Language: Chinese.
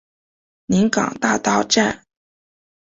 临港大道站